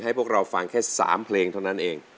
ให้พวกเราฟังแค่๓เพลงเท่านั้นเอง